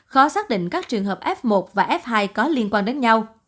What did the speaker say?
khó xác định các trường hợp f một và f hai có liên quan đến nhau